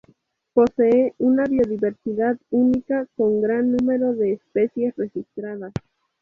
Posee una biodiversidad única, con gran número de especies registradas.